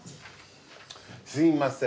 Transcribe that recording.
すみません。